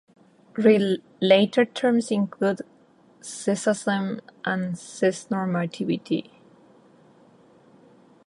Related terms include cissexism and cisnormativity.